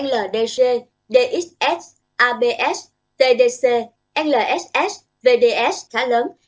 ldg dxx abs tdc lss vds khá lớn